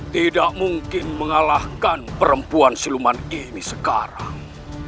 tidak mungkin mengalahkan perempuan siluman ini sekarang